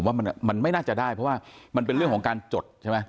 ว่ามันไม่น่าจะได้เพราะว่ามันเป็นเรื่องของการจดใช่ไหม